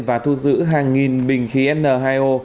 và thu giữ hàng nghìn bình khí n hai o